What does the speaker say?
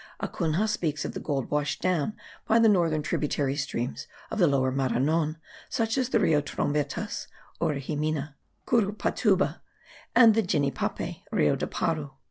Acunha speaks of the gold washed down by the northern tributary streams of the Lower Maranon, such as the Rio Trombetas (Oriximina), the Curupatuba, and the Ginipape (Rio de Paru).